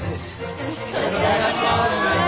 よろしくお願いします。